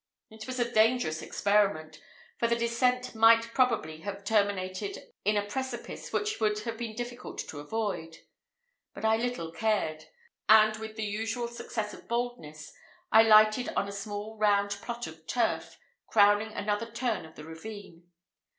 It was a dangerous experiment, for the descent might probably have terminated in a precipice which would have been difficult to avoid; but I little cared: and, with the usual success of boldness, I lighted on a small round plot of turf, crowning another turn of the ravine.